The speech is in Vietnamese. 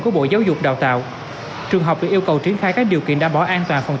của bộ giáo dục đào tạo trường học được yêu cầu triển khai các điều kiện đảm bảo an toàn phòng